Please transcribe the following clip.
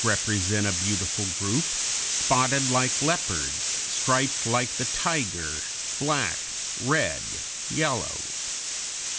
106) represent a beautiful group, spotted like leopards, striped like the tiger, black, red, yellow.